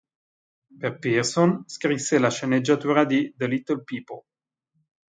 Per Pearson, scrisse la sceneggiatura di "The Little People".